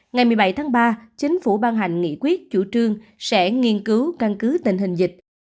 ngày một mươi bảy tháng ba chính phủ ban hành nghị quyết chủ trương sẽ nghiên cứu căn cứ tình hình dịch